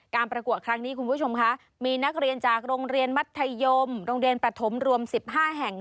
ประกวดครั้งนี้คุณผู้ชมคะมีนักเรียนจากโรงเรียนมัธยมโรงเรียนปฐมรวม๑๕แห่ง